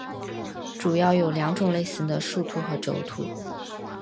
主要有两种类型的树突和轴突。